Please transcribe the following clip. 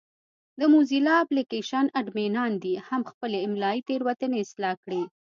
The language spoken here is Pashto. د موزیلا اپلېکشن اډمینان دې هم خپلې املایي تېروتنې اصلاح کړي.